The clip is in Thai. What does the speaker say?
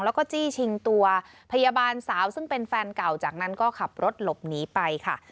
แล้วก็จี้ชิงตัวพยาบาลสาวซึ่งเป็นแฟนเก่าจากนั้นก็ขับรถหลบหนีไปค่ะ